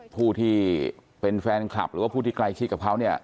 ผู้ที่เป็นแฟนคลับหรือว่าผู้ที่ใกล้ชิดกับเขาเนี่ย